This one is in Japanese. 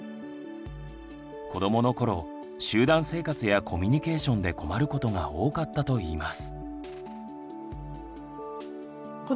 子どもの頃集団生活やコミュニケーションで困ることが多かったといいます。